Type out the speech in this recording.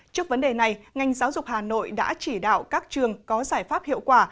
trước vấn đề này ngành giáo dục hà nội đã chỉ đạo các trường có giải pháp hiệu quả